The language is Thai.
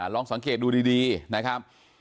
ลองสังเกตดูดีนะครับ